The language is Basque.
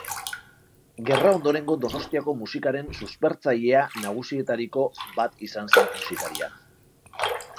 Gerra ondorengo Donostiako musikaren suspertzailea nagusietariko bat izan zen musikaria.